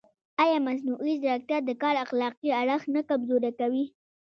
ایا مصنوعي ځیرکتیا د کار اخلاقي اړخ نه کمزوری کوي؟